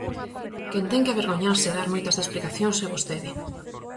Quen ten que avergoñarse e dar moitas explicacións é vostede.